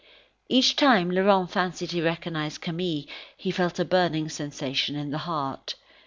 Each time Laurent fancied he recognised Camille, he felt a burning sensation in the heart.